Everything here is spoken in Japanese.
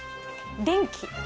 電気。